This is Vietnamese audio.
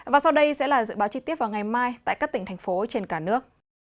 và sau đây sẽ là dự báo chi tiết vào ngày mai tại các tỉnh thành phố trên cả nước